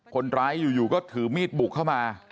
คนร้ายอยู่ก็ถือมีดบุกเข้ามา